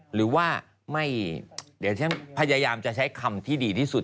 หรือว่าไม่เดี๋ยวฉันพยายามจะใช้คำที่ดีที่สุด